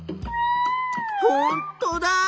ほんとだ！